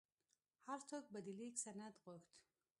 هر څوک به د لیک سند غوښت.